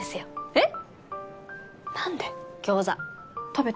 えっ？